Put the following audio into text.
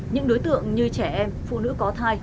những đối tượng như trẻ em phụ nữ có thai